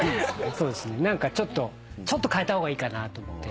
そうですねちょっと替えた方がいいかなと思って。